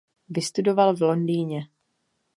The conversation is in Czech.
Vystudoval v Londýně.